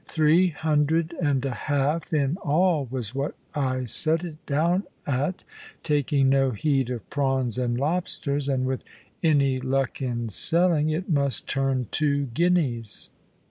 Three hundred and a half in all was what I set it down at, taking no heed of prawns and lobsters; and with any luck in selling, it must turn two guineas.